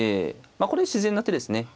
これ自然な手ですね。